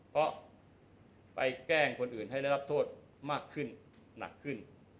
เพราะไปแกล้งคนอื่นให้ได้รับโทษมากขึ้นหนักขึ้น